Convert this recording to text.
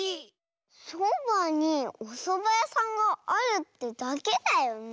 そばにおそばやさんがあるってだけだよね？